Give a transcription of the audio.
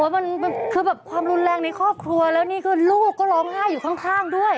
มันคือแบบความรุนแรงในครอบครัวแล้วนี่คือลูกก็ร้องไห้อยู่ข้างด้วย